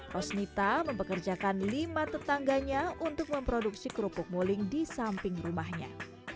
rosnita mempekerjakan lima tetangganya untuk memproduksi kerupuk muling di samping rumahnya